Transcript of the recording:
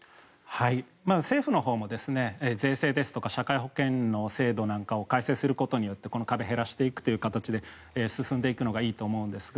政府のほうも税制ですとか社会保険の制度なんかを改正することによってこの壁を減らしていくという形で進んでいくのがいいと思うんですが